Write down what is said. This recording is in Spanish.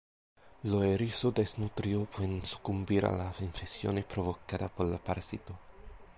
Los erizos desnutridos pueden sucumbir a las infecciones provocadas por los parásitos.